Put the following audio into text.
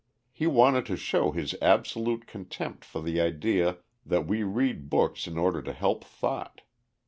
He wanted to show his absolute contempt for the idea that we read books in order to help thought.